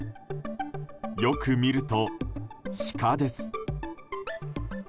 よく見ると、シカです。